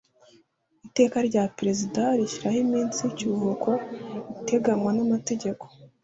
iteka rya perezida rishyiraho iminsi y ikiruhuko iteganywa n amategeko